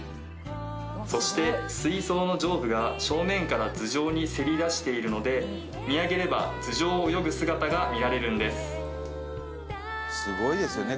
そして水槽の上部が正面から頭上にせり出しているので見上げれば頭上を泳ぐ姿が見られるんですすごいですよね